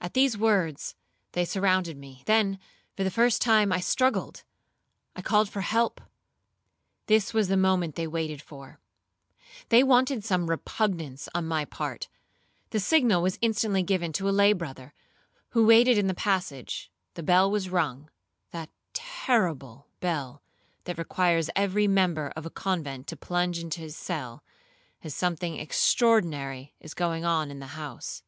At these words, they surrounded me; then, for the first time, I struggled,—I called for help;—this was the moment they waited for; they wanted some repugnance on my part. The signal was instantly given to a lay brother, who waited in the passage,—the bell was rung,—that terrible bell, that requires every member of a convent to plunge into his cell, as something extraordinary is going on in the house.